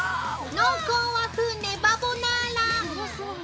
「濃厚和風ねばボナーラ」